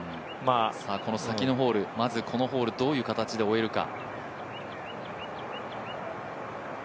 この先のホール、まずこのホールどういう形で終えるか。